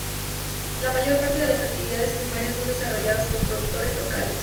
La mayor parte de las actividades primarias son desarrolladas por productores locales.